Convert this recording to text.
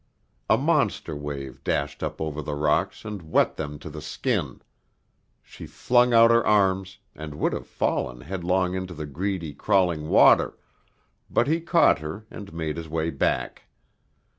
A monster wave dashed up over the rocks and wet them to the skin. She flung out her arms, and would have fallen headlong into the greedy, crawling water, but he caught her and made his way back.